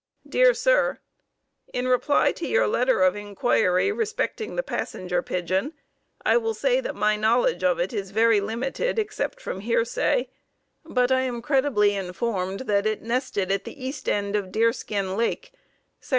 Dear Sir: In reply to your letter of inquiry respecting the Passenger Pigeon, I will say that my knowledge of it is very limited except from hearsay, but I am credibly informed that it nested at the east end of Deerskin Lake, Sec.